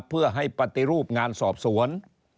เพื่อให้ปฏิรูปงานสอบสวน